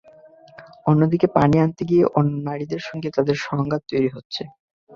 অন্যদিকে পানি আনতে গিয়ে অন্য নারীদের সঙ্গে তাঁদের সংঘাত তৈরি হচ্ছে।